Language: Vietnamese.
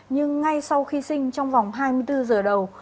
nhưng ngay sau khi sinh trong vòng hai mươi bốn giờ đầu